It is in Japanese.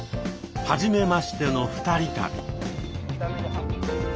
「はじめましての二人旅」。